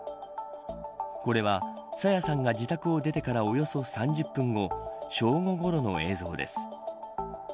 これは朝芽さんが自宅を出てからおよそ３０分後正午ごろの映像です。